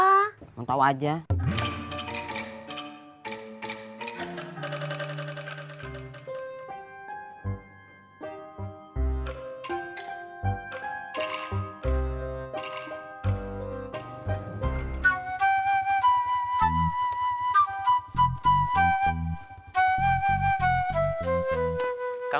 berarti yang kalau kau ntaromsan